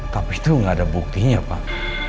tapi itu nggak ada buktinya pak